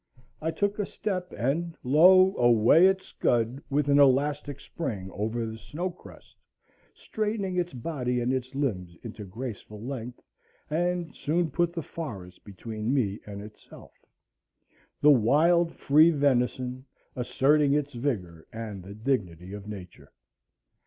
I took a step, and lo, away it scud with an elastic spring over the snow crust, straightening its body and its limbs into graceful length, and soon put the forest between me and itself,—the wild free venison, asserting its vigor and the dignity of Nature.